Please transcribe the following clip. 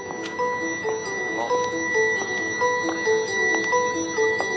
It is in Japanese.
あっ。